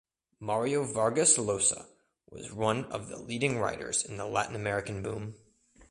Mario Vargas Llosa was one of the leading writers in the Latin American boom.